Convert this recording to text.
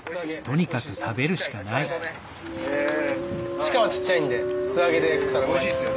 チカはちっちゃいんで素揚げで食ったらうまいです。